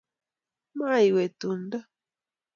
maiwe tumdo